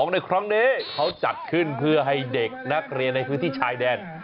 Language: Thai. ในครั้งนี้เขาจัดขึ้นเพื่อให้เด็กนักเรียนในพื้นที่ชายแดน